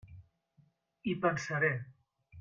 Hi pensaré.